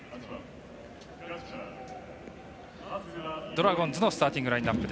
ドラゴンズのスターティングラインナップ。